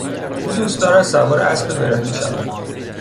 او دوست دارد سوار اسب برهنه شود.